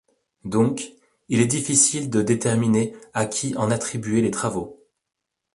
Donc, il est difficile de déterminer à qui en attribuer les travaux.